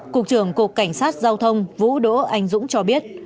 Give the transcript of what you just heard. cục trưởng cục cảnh sát giao thông vũ đỗ anh dũng cho biết